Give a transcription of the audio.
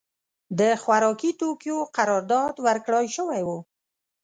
د خوارکي توکیو قرارداد ورکړای شوی و.